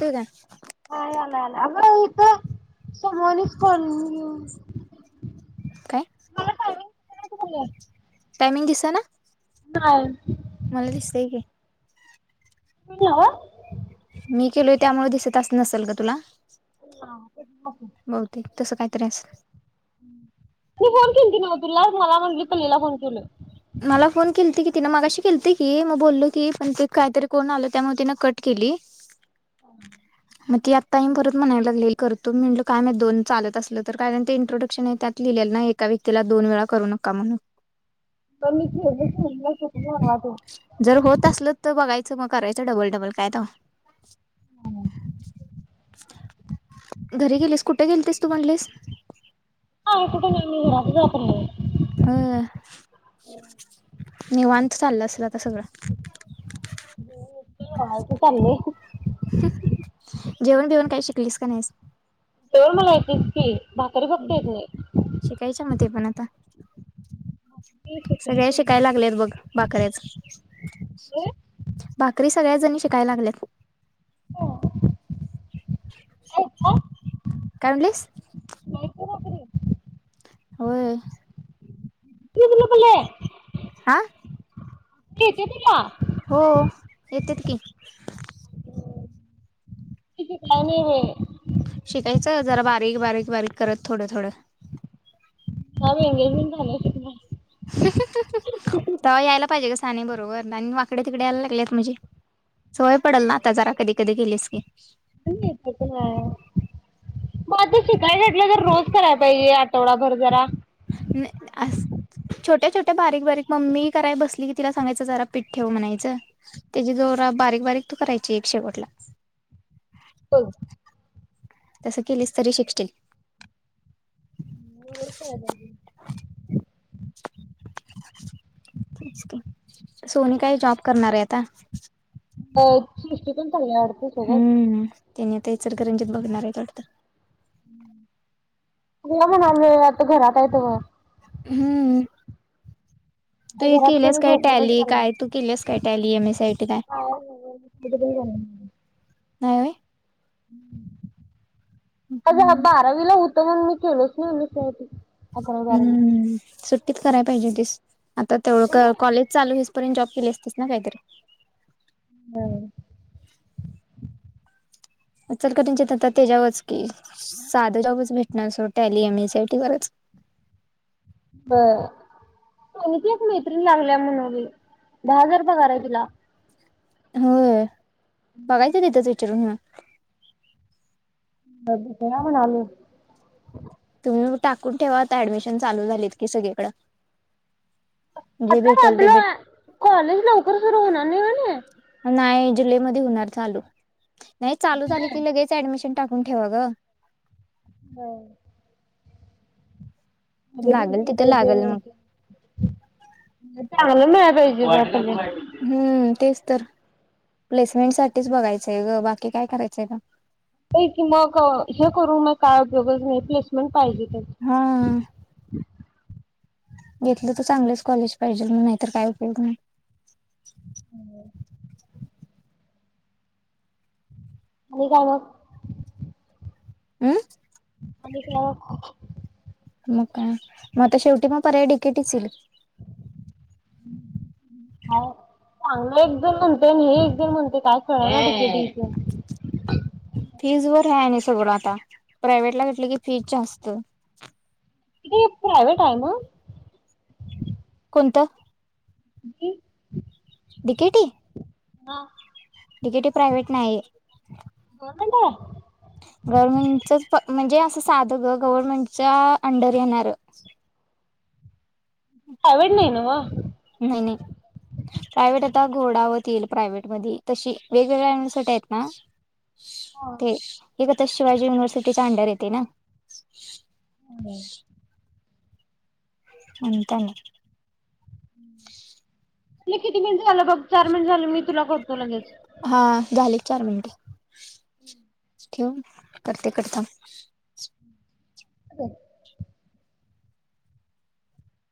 ते काय तो सगळ्यांनीच कॉलिंग काय. जराशी [unintelligible] टायमिंग दिसना. ट्रायल. मला दिसतय की. [unintelligible] मी केलोय त्यामुळे दिसत अस नसेल का तुला? बहुतेक [unintelligible] तसं काय तरी असेल ती फोन केलती नव तुला मला म्हटली पल्लीला फोन केलोय. मला फोन केलती की तिन मगाशी केलती की मग बोललो की पण ते काहीतरी कोण आलं त्यामुळे तिन कट केली. [unintelligible] मग ती आत्ताही परत म्हणायला लागले करतो म्हटल काय माहीत दोन चालत असलं तर काय नाही ते इंट्रोडक्शन आहे त्यात लिहिलेल ना एका व्यक्तीला दोन वेळा करू नका म्हणून जर होत असलं तर [unintelligible] बघायचं मग करायचं डबल डबल काय तवा [inaudible] घरी गेलीस कुठे गेलतीस तू म्हणलीस? नाय कुठे नाय घरातच हाय न्हवं. होय निवांत चाललं असेल आता सगळं लोळायचं चाललंय जेवण बेवण काही शिकलीस का नाहीस? [unintelligible] भाकरी फक्त येत नाही. ता मी सगळ्या शिकलेच शिकायला लागल्यात नाही बघ भाकऱ्याच भाकरी सगळ्या जणी शिकायला लागल्यात. हो आहेत का? काय म्हणलीस? किती भाकरी? होय मी तुला बोललोय? हा येत्या तिला हो येतेत की. मी शिकाय नाही बाई चल जरा बारीक बारीक बारीक करत थोड थोड हा बाई एंगेजमेंट झाली. तवा यायला पाहिजे असं. साने बरोबर आणि वाकडे तिकडे यायला लागलेच म्हणजे? सवय पडल ना आता जरा कधी कधी केलीस की [inaudible] मग आता शिकायला घेतलं तर रोज करायला पाहिजे आठवडाभर जरा अस छोट्या छोट्या बारीक बारीक मम्मी कराय बसली की तिला सांगायचं जरा पीठ ठेव म्हणायचं त्याची जरा बारीक बारीक तू करायची एक शेवटला. हो. तसं केलीस तरी शिकशील. नूर रुपय अज च का सोनी काही जॉब करणार आहे आता हो सृष्टी पण कल्याडात सुखं त्यानी आता इचलकरंजीत बघणार आहेत वाटतं हो म्हणालोय आता घरात आहे तवर हम्म तू आता हे घरात केलंस सगळं काय झोपूनच टॅली चाललंय काय तू केलंस काय टॅली एम ए सीआयटी काय बाहेर वगैरे नाही हम् अगं बारावीला हु तर मण मी केलोच नाही M S C I T हम्म सु ती करायला पाहिजे होतीस आता म्हणजे तेवढं कॉलेज चालू पर्यंत जॉब केली असतेस ना काहीतरी होय इचलकरंजीत त्याच्यावरच कि साधूजवच भेटणार Tally M S C I T वरच बर सोनीची एक मैत्रीण लागल्या म्हणबाई दहा हजार पगार आहे तिला होय बघायचं तिथंच विचारून बघूया म्हणायलोय टाकून ठेवा आता ऍडमिशन चालू झालीत की सगळीकडं जे आता भेटल ते भेट आपलं कॉलेज लवकर सुरू होणार नाही होय नाही नाही जुलैमध्ये होणार चालू नाही चालू झाली की लगेच ऍडमिशन टाकून ठेवा ग होय लागल तिथं लागल मग चांगल मिळालं भेजले हम्म तेच तर प्लेसमेंट साठीच बघायचंय ग बाकी काय करायचंय का की मग हे करून मग काय बघ नाही प्लेसमेंट पाहिजे हा घेतलं तर चांगलंच कॉलेज पाहिजेल मग नाहीतर काय उपयोग नाही [unintelligible] आणि का मग. हम्म. [unintelligible] मग का म आता शेवटी पण पर्याय डि के टी च ईल. [unintelligible] हाव. चांगलं एकजण म्हणते नेईन हे एकजण म्हणते काय कळणा फीज वर आहे नाही सगळं आता प्रायव्हेट ला घेतलं की फीज जास्त. ही प्रायवेट आहे म. कोणत? [unintelligible] डि के टी. हा. तिकेट प्रायव्ट नाही गव्हर्मेंट आहे गवर्मेंट चच म्हणजे असं साध ग गव्हर्मेंटच्या अंडर येणार. प्रायव्हेट नाही ना व. नाही नाही प्रायव्हेट आता घोडावरतीईल प्रायव्हेट मधी तशी वेगवेगळ्यासाठी आहेत ना ते शिवाजी युनिव्हर्सिटीचा अंडर येते ना. ह [unintelligible] आन [unintelligible] किती मिन अल बघ चार मिनिट झाले मी तुला बघतो लगेच. हा झाले चार मिनट ठेव करते कट थांब. [unintelligible]